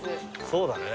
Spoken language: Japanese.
そうだね。